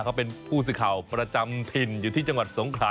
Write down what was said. เขาเป็นผู้สื่อข่าวประจำถิ่นอยู่ที่จังหวัดสงขลา